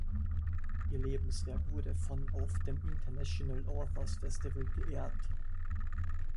Ihr Lebenswerk wurde von auf dem International Authors Festival geehrt.